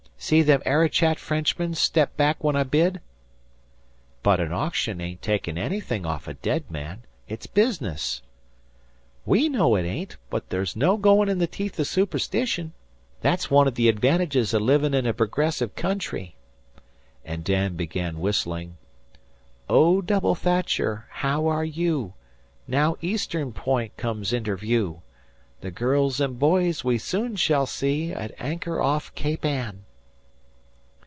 'See them Arichat Frenchmen step back when I bid?" "But an auction ain't taking anythink off a dead man. It's business." "We know it ain't, but there's no goin' in the teeth o' superstition. That's one o' the advantages o' livin' in a progressive country." And Dan began whistling: "Oh, Double Thatcher, how are you? Now Eastern Point comes inter view. The girls an' boys we soon shall see, At anchor off Cape Ann!"